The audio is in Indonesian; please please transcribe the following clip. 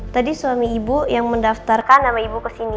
tadi suami ibu yang mendaftarkan nama ibu ke sini